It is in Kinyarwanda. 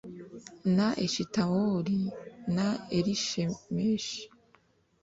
na Eshitawoli na Irishemeshi